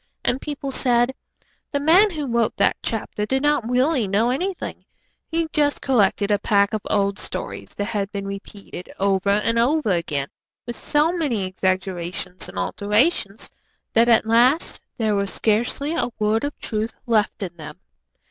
And people said, 'The man who wrote that chapter did not really know anything; he just collected a pack of old stories that had been repeated over and over again with so many exaggerations and alterations that at last there was scarcely a word of truth left in them.'